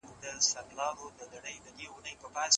ملي سندرې د پښتو پخوانی سبک دی.